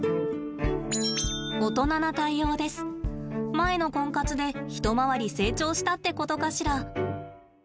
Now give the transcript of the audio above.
前のコンカツで一回り成長したってことかしら。